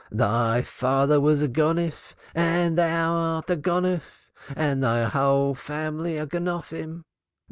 Thy father was a Gonof and thou art a Gonof and thy whole family are Gonovim.